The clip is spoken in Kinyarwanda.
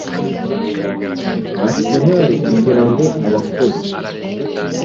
Arsenal kugirango abakozi